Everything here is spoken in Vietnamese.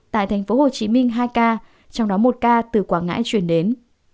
tại tp hcm hai ca trong đó một ca từ quảng ngãi chuyển đến